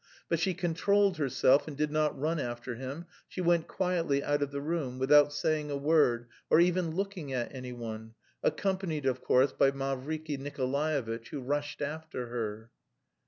But she controlled herself and did not run after him; she went quietly out of the room without saying a word or even looking at anyone, accompanied, of course, by Mavriky Nikolaevitch, who rushed after her.